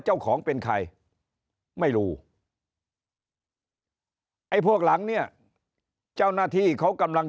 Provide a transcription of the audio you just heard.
เจ้าของเป็นใครไม่รู้ไอ้พวกหลังเนี่ยเจ้าหน้าที่เขากำลัง